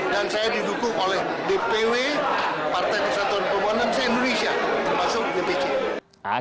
dan saya didukung oleh dpw partai persatuan pembangunan indonesia termasuk dpc